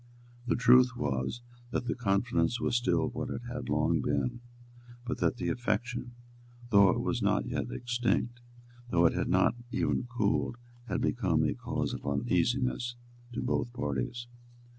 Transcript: The truth was that the confidence was still what it had long been, but that the affection, though it was not yet extinct, though it had not even cooled, had become a cause of uneasiness to both parties.